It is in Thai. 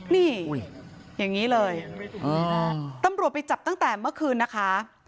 นี่อย่างนี้เลยตำรวจไปจับตั้งแต่เมื่อคืนนะคะ